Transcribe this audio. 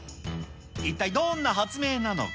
一体どんな発明なのか。